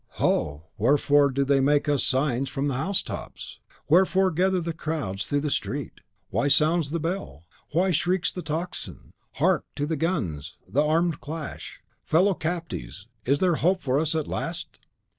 .... "Ho! wherefore do they make us signs from the house tops? Wherefore gather the crowds through the street? Why sounds the bell? Why shrieks the tocsin? Hark to the guns! the armed clash! Fellow captives, is there hope for us at last?"